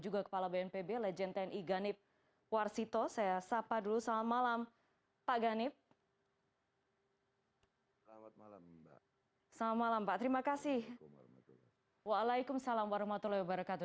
waalaikumsalam warahmatullahi wabarakatuh